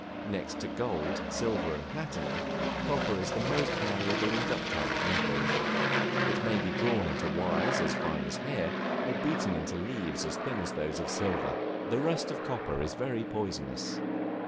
Next to gold, silver, and platinum, copper is the most malleable and ductile of metals; it may be drawn into wires as fine as hair, or beaten into leaves as thin as those of silver. The rust of copper is very poisonous.